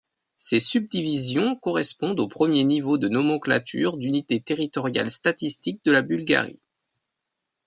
Ces subdivisions correspondent au premier niveau de nomenclature d'unités territoriales statistiques de la Bulgarie.